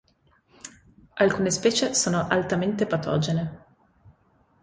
Alcune specie sono altamente patogene.